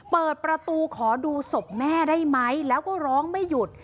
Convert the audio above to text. เปิดประตูขอดูศพแม่ได้ไหมแล้วก็ร้องไม่หยุด